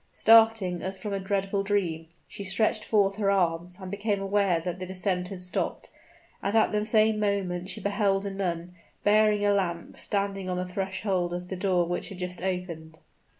Starting as from a dreadful dream, she stretched forth her arms, and became aware that the descent had stopped; and at the same moment she beheld a nun, bearing a lamp, standing on the threshold of the door which had just opened.